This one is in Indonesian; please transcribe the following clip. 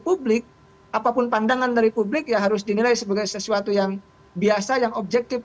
publik apapun pandangan dari publik ya harus dinilai sebagai sesuatu yang biasa yang objektif